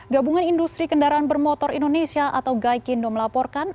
gabungan industri kendaraan bermotor indonesia atau gaikindo melaporkan